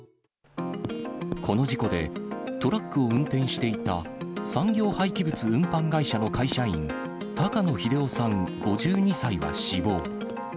この事故で、トラックを運転していた産業廃棄物運搬会社の会社員、高野英雄さん５２歳が死亡。